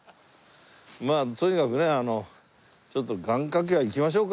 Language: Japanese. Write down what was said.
まあとにかくねちょっと願掛けは行きましょうか。